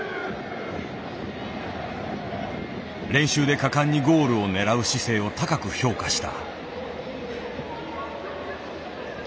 練習で果敢にゴールを狙う姿勢を高く評価した。